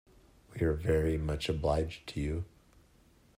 We are very much obliged to you!